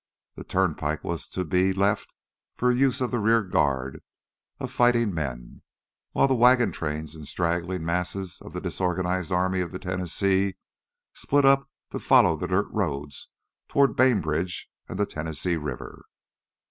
The turnpike was to be left for the use of the rear guard of fighting men, while the wagon trains and straggling mass of the disorganized Army of the Tennessee split up to follow the dirt roads toward Bainbridge and the Tennessee River.